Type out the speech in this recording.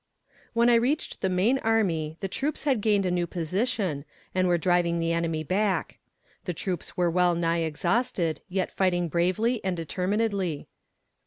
When I reached the main army the troops had gained a new position, and were driving the enemy back. The troops were well nigh exhausted, yet fighting bravely and determinedly.